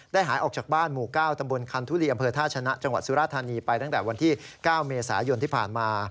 หายออกจากบ้านหมู่๙ตำบลคันทุลีอำเภอท่าชนะจังหวัดสุราธานีไปตั้งแต่วันที่๙เมษายนที่ผ่านมา